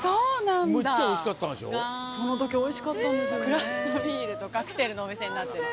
クラフトビールとカクテルのお店になってる。